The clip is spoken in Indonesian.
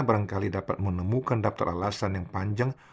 barangkali dapat menemukan daftar alasan yang panjang